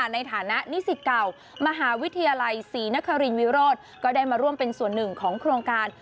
ในฐานะนิสิตเก่ามหาวิทยาลัยศรีนครินวิโรธก็ได้มาร่วมเป็นส่วนหนึ่งของโครงการ